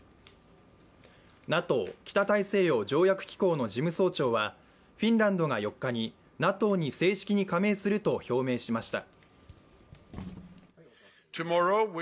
ＮＡＴＯ＝北大西洋条約機構の事務総長は、フィンランドが４日にＮＡＴＯに正式に加盟すると表明しました。